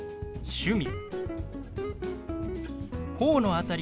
「趣味」。